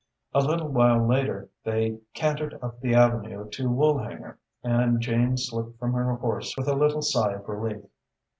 A little while later they cantered up the avenue to Woolhanger and Jane slipped from her horse with a little sigh of relief.